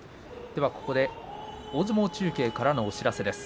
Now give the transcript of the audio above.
では、ここで大相撲中継からのお知らせです。